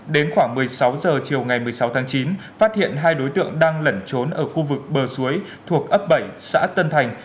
đến khoảng một mươi sáu h chiều ngày một mươi sáu tháng chín phát hiện hai đối tượng đang lẩn trốn ở khu vực bờ suối thuộc ấp bảy xã tân thành